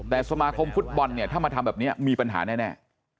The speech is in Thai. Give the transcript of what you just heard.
แต่สมาคมฟุตบอลเนี่ยถ้ามาทำแบบนี้มีปัญหาแน่